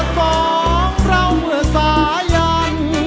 สองเราเมื่อสายา